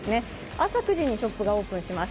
朝９時にショップがオープンします